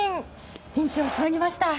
ピンチをしのぎました。